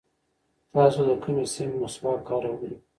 تاسو د کومې سیمې مسواک کاروئ؟